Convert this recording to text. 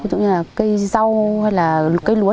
như là cây râu hay là cây lúa